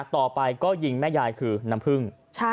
ต่อไปก็ยิงแม่ยายคือน้ำผึ้ง